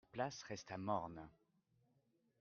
La place resta morne.